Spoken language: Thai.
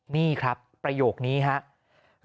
นี่ครับประโยคนี้ครับ